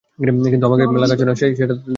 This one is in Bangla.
কিন্তু আমাকে যে লাগাচ্ছ না, সেটা তো দেখাই যাচ্ছে!